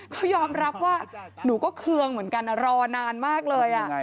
เขายอมรับว่าหนูก็เคืองเหมือนกันรอนานมากเลย